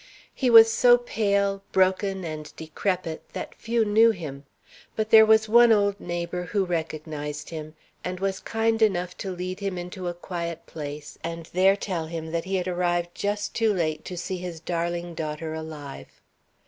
He was so pale, broken, and decrepit that few knew him. But there was one old neighbor who recognized him and was kind enough to lead him into a quiet place, and there tell him that he had arrived just too late to see his darling daughter alive.